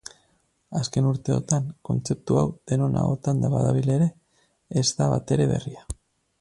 Azken urteotan kontzeptu hau denon ahotan badabil ere, ez da batere berria.